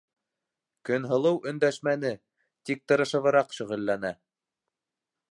Көнһылыу өндәшмәне, тик тырышыбыраҡ шөғөлләнә